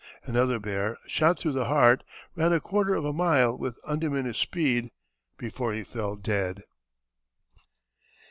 Another bear, shot through the heart, ran a quarter of a mile with undiminished speed before he fell dead.